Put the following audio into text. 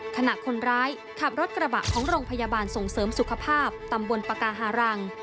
ขณะคนร้ายขับรถกระบะของโรงพยาบาลส่งเสริมสุขภาพตำบลปากาหารัง